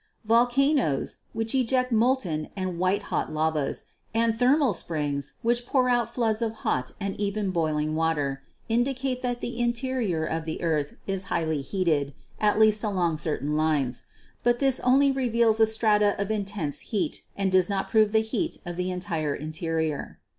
Volcanoes, which eject molten and white hot lavas, and thermal springs, which pour out floods of hot and even boiling water, indicate that the interior of the earth is highly heated, at least along certain lines. But this only reveals a strata of intense heat and does not prove the heat of the entire interior.